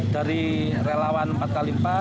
dari relawan empat x empat